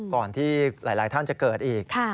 ก่อนที่หลายท่านจะเกิดอีก